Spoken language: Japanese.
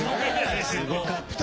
すごかった。